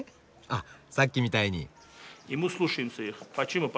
あさっきみたいに。